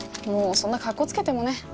もうそんなカッコつけてもね